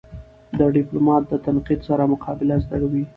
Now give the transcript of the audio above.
د ډيپلومات د تنقید سره مقابله زده وي.